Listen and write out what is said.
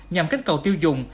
nhằm cách cầu tiêu dùng